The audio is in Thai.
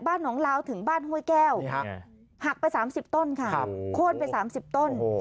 น้องลาวถึงบ้านห้วยแก้วหักไป๓๐ต้นค่ะโค้นไป๓๐ต้น